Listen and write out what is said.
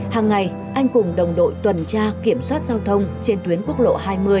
hàng ngày anh cùng đồng đội tuần tra kiểm soát giao thông trên tuyến quốc lộ hai mươi